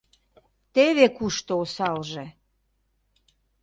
Теве кушто осалже.